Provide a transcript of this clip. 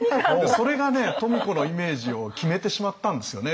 それがね富子のイメージを決めてしまったんですよね